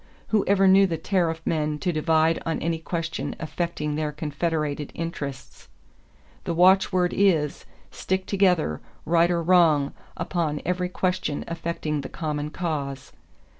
Who ever knew the tariff men to divide on any question affecting their confederated interests?... The watchword is, stick together, right or wrong upon every question affecting the common cause.